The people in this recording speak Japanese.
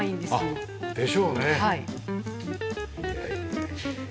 あっでしょうね。